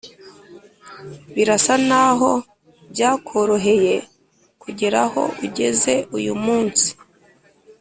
birasa n’aho byakoroheye kugera aho ugeze uyu munsi